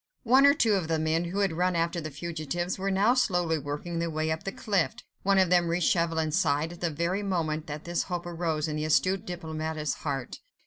One or two of the men, who had run after the fugitives, were now slowly working their way up the cliff: one of them reached Chauvelin's side, at the very moment that this hope arose in the astute diplomatist's heart.